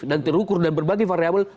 dan terukur dan berbagai variable